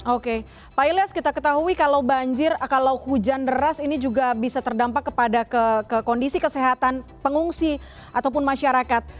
oke pak ilyas kita ketahui kalau banjir kalau hujan deras ini juga bisa terdampak kepada kondisi kesehatan pengungsi ataupun masyarakat